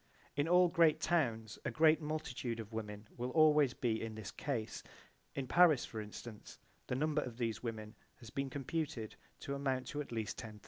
In all great towns a great multitude of women will always be in this case. In Paris, for instance, the number of these women has been computed to amount to at least 10,000.